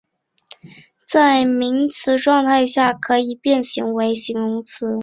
在名词状态下可以变形为形容词。